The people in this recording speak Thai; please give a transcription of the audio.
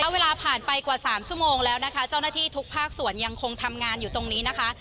เวลาผ่านไปกว่า๓ชั่วโมงแล้วนะคะเจ้าหน้าที่ทุกภาคส่วนยังคงทำงานอยู่ตรงนี้นะคะ